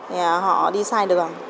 thì họ đi sai đường